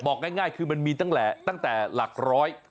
บอกง่ายคือมันมีตั้งแต่หลักร้อย